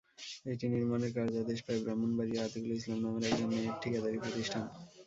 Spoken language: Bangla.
এটি নির্মাণের কার্যাদেশ পায় ব্রাহ্মণবাড়িয়ার আতিকুল ইসলাম নামের একজনের ঠিকাদারি প্রতিষ্ঠান।